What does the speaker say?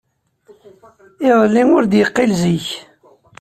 Iḍelli ur d-yeqqil zik.